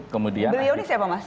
beliau ini siapa mas